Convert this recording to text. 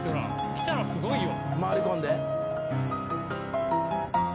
来たらすごいよ。